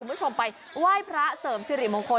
คุณผู้ชมไปไหว้พระเสริมสิริมงคล